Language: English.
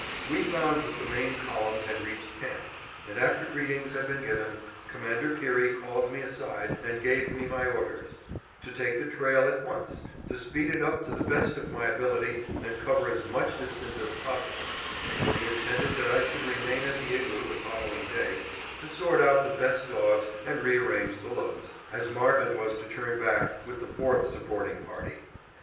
We found that the main column had reached camp, and after greetings had been given, Commander Peary called me aside and gave me my orders; to take the trail at once, to speed it up to the best of my ability and cover as much distance as possible; for he intended that I should remain at the igloo the following day to sort out the best dogs and rearrange the loads, as Marvin was to turn back with the fourth supporting party.